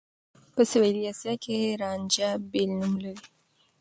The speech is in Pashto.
په سوېلي اسيا کې رانجه بېل نوم لري.